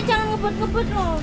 jangan ngebut ngebut bu